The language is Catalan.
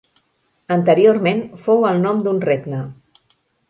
Anteriorment fou el nom d'un regne.